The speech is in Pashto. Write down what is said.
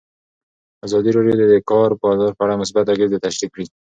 ازادي راډیو د د کار بازار په اړه مثبت اغېزې تشریح کړي.